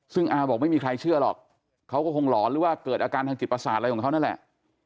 ซึ่งอาบอกไม่มีใครเชื่อหรอกเขาก็คงหลอนหรือว่าเกิดอาการทางจิตประสาทอะไรของเขานั่นแหละ